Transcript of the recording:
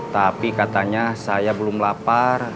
tapi katanya saya belum lapar